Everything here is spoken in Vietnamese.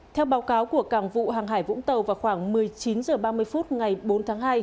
theo báo cáo của cảng vụ hàng hải vũng tàu vào khoảng một mươi chín h ba mươi phút ngày bốn tháng hai